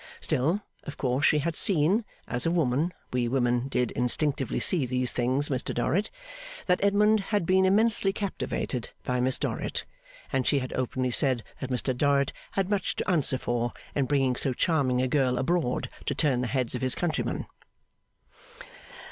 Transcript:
Still, of course she had seen, as a woman (we women did instinctively see these things, Mr Dorrit!), that Edmund had been immensely captivated by Miss Dorrit, and she had openly said that Mr Dorrit had much to answer for in bringing so charming a girl abroad to turn the heads of his countrymen.